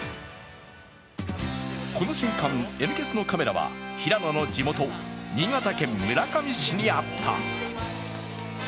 この瞬間、「Ｎキャス」のカメラは平野の地元、新潟県村上市にあった。